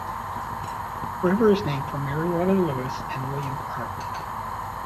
The river is named for Meriwether Lewis and William Clark.